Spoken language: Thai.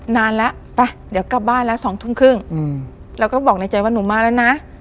นานล่ะป่ะเดี๋ยวกลับบ้านล่ะสองทุ่มครึ่งอืมเราก็บอกในใจว่าหนูมาแล้วนะ